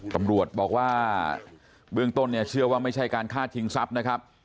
ตำรวจบอกว่าเบื้องต้นเนี่ยเชื่อว่าไม่ใช่การฆ่าชิงทรัพย์นะครับ